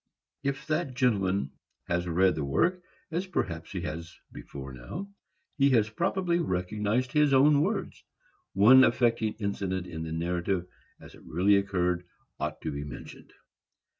If that gentleman has read the work,—as perhaps he has before now,—he has probably recognized his own words. One affecting incident in the narrative, as it really occurred, ought to be mentioned.